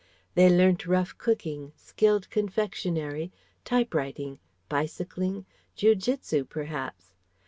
They learnt rough cooking, skilled confectionery, typewriting, bicycling, jiu jitsu perhaps.